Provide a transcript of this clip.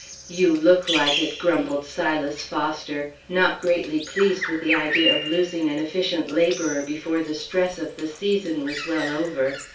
"You look like it!" grumbled Silas Foster, not greatly pleased with the idea of losing an efficient laborer before the stress of the season was well over.